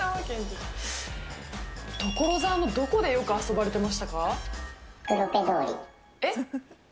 所沢のどこでよく遊ばれてましたか？